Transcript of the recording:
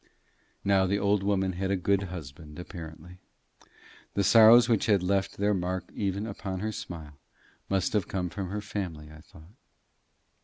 Now the old woman had a good husband, apparently: the sorrows which had left their mark even upon her smile, must have come from her family, I thought.